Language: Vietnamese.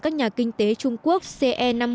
các nhà kinh tế trung quốc ce năm mươi